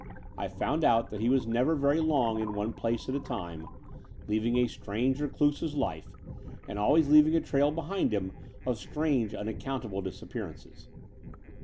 I found out that he was never very long in one place at a time, leading a strange recluse's life, and always leaving a trail behind him of strange, unaccountable disappearances.